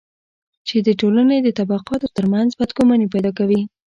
چې د ټولنې د طبقاتو ترمنځ بدګماني پیدا کوي.